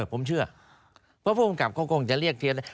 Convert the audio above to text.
ผมเชื่อเพราะผู้กำกับเขาคงจะเรียกเทียน